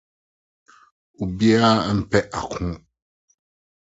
Obiara mpɛ ɔko.